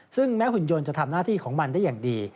ซึ่งแม้หุ่นยนต์จะทำหน้าที่ของมันได้อย่างดี